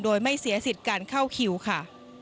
โดยไม่เสียสิทธิ์การเข้าคิวค่ะ